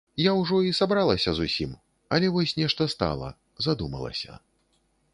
Я ўжо і сабралася зусім, але вось нешта стала, задумалася.